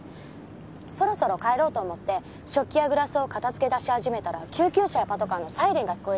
そろそろ帰ろうと思って食器やグラスを片付け出し始めたら救急車やパトカーのサイレンが聞こえ出し始めて。